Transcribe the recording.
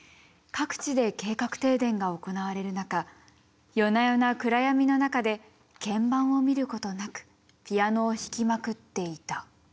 各地で計画停電が行われる中夜な夜な暗闇の中で鍵盤を見ることなくピアノを弾きまくっていた。